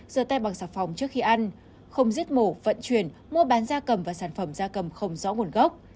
dơ tay bằng xà phòng trước khi ăn không giết mổ vận chuyển mua bán da cầm và sản phẩm da cầm không rõ nguồn gốc